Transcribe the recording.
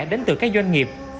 đến từ các doanh nghiệp